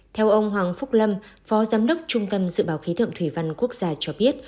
theo ông hoàng phúc lâm phó giám đốc trung tâm dự báo khí tượng thủy văn quốc gia cho biết